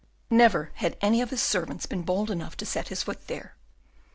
Never had any of his servants been bold enough to set his foot there.